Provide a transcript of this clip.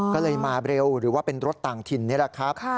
ก็เลยมาเร็วหรือว่าเป็นรถต่างถิ่นนี่แหละครับ